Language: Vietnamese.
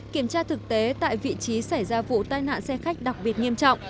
kiểm tra thực tế tại vị trí xảy ra vụ tai nạn xe khách đặc biệt nghiêm trọng